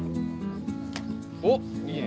おっいいね！